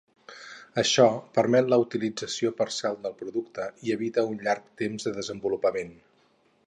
Això permet la utilització parcial del producte i evita un llarg temps de desenvolupament.